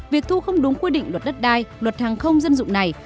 việc thu không đúng quy định luật đất đai luật hàng không dân dụng này